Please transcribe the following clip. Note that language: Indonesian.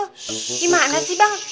shhh gimana sih bang